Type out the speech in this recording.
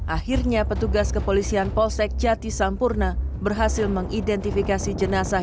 akhirnya petugas kepolisian polsek jati sampurna berhasil mengidentifikasi jenazah